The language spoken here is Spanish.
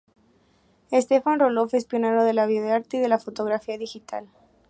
Stefan Roloff es pionero del videoarte y de la fotografía digital.